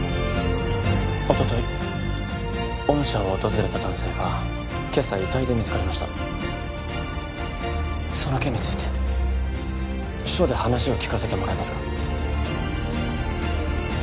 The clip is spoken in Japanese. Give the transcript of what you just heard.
おととい御社を訪れた男性が今朝遺体で見つかりましたその件について署で話を聞かせてもらえますか？